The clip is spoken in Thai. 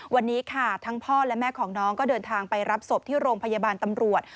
วันนี้ค่ะทั้งพ่อและแม่ของน้องก็เดินทางไปรับศพที่โรงพยาบาลตำรวจ